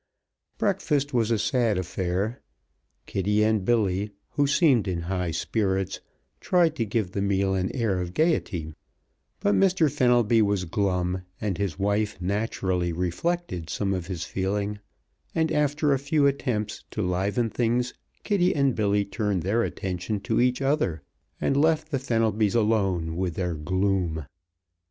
Breakfast was a sad affair. Kitty and Billy, who seemed in high spirits, tried to give the meal an air of gaiety, but Mr. Fenelby was glum and his wife naturally reflected some of his feeling, and after a few attempts to liven things Kitty and Billy turned their attention to each other and left the Fenelbys alone with their gloom.